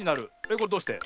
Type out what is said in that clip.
これどうして？